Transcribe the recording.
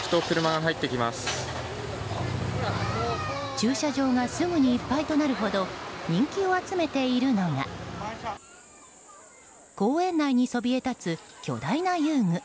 駐車場がすぐにいっぱいとなるほど人気を集めているのが公園内にそびえたつ、巨大な遊具。